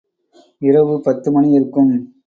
இரவு பத்து மணி இருக்கும்.